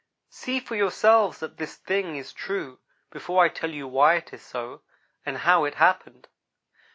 "See for yourselves that this thing is true, before I tell you why it is so, and how it happened."